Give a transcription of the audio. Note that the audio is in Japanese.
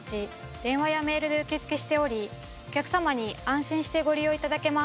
電話やメールで受け付けしておりお客様に安心してご利用いただけます。